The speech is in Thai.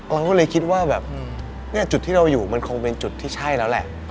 เราก็เลยคิดว่าแบบเนี่ยจุดที่เราอยู่มันคงเป็นจุดที่ใช่แล้วแหละ